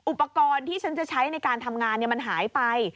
อุปกรณ์ที่ฉันจะใช้ในการทำงานมันหายไป